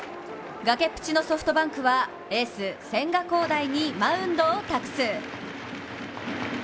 崖っぷちのソフトバンクはエース・千賀滉大にマウンドを託す。